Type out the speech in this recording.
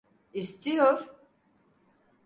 İstiyor…